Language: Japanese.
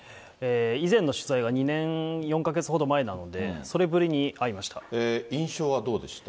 以前の取材が２年４か月ほど前なので、印象はどうでした？